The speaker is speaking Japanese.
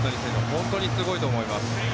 本当にすごいと思います。